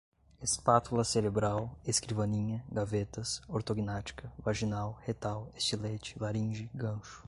espátula cerebral, escrivaninha, gavetas, ortognática, vaginal, retal, estilete, laringe, gancho